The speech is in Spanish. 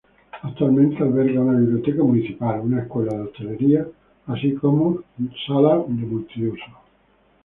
Actualmente alberga una biblioteca municipal, una escuela de hostelería, así como de salas multiusos.